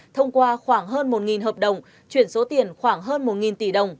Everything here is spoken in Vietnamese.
thông qua khoảng hơn một hợp đồng chuyển số tiền khoảng hơn một tỷ đồng